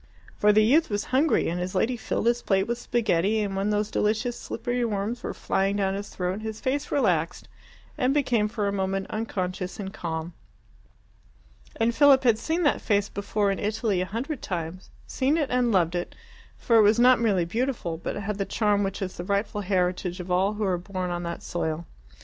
For the youth was hungry, and his lady filled his plate with spaghetti, and when those delicious slippery worms were flying down his throat, his face relaxed and became for a moment unconscious and calm. And Philip had seen that face before in Italy a hundred times seen it and loved it, for it was not merely beautiful, but had the charm which is the rightful heritage of all who are born on that soil.